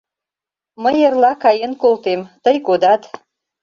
Мый эрла каен колтем, тый кодат.